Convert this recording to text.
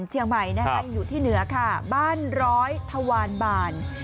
เชียงใหม่อยู่ที่เหนือบ้านร้อยทวารบาล